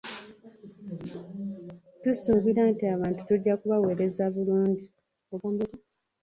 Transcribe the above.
Tusuubira nti abantu tujja kubaweereza bulungi.